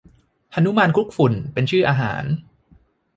หนุมานคลุกฝุ่น เป็นชื่ออาหาร